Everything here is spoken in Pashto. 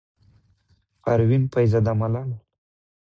د پروين فيض زاده ملال،